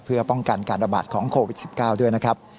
เพื่อป้องกันการระบาดของโควิด๑๙ด้วยนะครับ